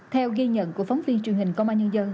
theo ghi nhận của phóng viên truyền hình công an nhân dân